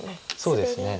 そうですね。